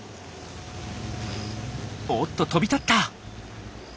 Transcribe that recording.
おっと飛び立った！